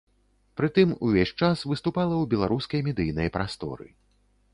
Прытым увесь час выступала ў беларускай медыйнай прасторы.